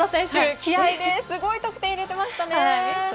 気合ですごい得点入れていますね。